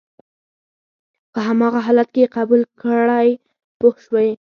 په هماغه حالت کې یې قبول کړئ پوه شوې!.